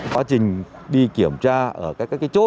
quá trình đi kiểm tra ở các chỗ